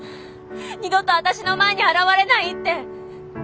二度と私の前に現れないって。